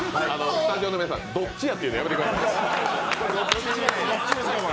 スタジオの皆さん、「どっちや」って言うのやめてください。